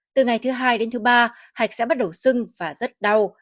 từ ngày thứ hai đến thứ ba hạch sẽ bắt đầu sưng và rất đau